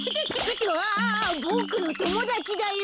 あボクのともだちだよ。